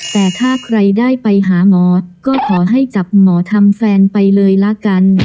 แต่ถ้าใครได้ไปหาหมอก็ขอให้จับหมอทำแฟนไปเลยละกัน